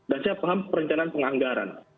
dan saya paham perencanaan penganggaran